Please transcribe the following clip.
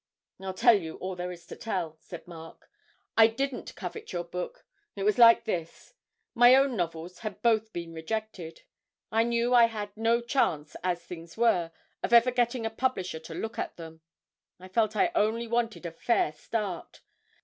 'I'll tell you all there is to tell,' said Mark: 'I didn't covet your book it was like this; my own novels had both been rejected. I knew I had no chance, as things were, of ever getting a publisher to look at them. I felt I only wanted a fair start.